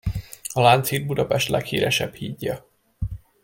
A Lánchíd Budapest leghíresebb hídja.